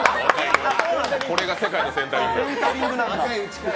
これが世界のセンタリング。